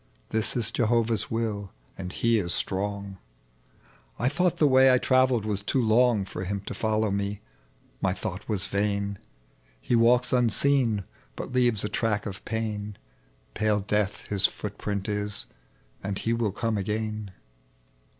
Tiiis ia Jehovah's will, and He is strong ; I thought the way I travelled was too long For Ilim to follow me : my thought was yain 1 He walks unseen, but leav^ a track of pain, Pale Death His footprint is, and He will come again